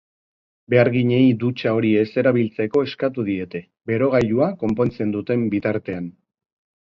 Beharginei dutxa hori ez erabiltzeko eskatu diete, berogailua konpontzen duten bitartean.